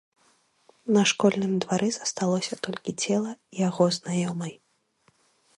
На школьным двары засталося толькі цела яго знаёмай.